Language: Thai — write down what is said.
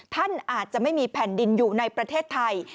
ท่านอาจจะไม่มีแผ่นดินอยู่ในประเทศไทย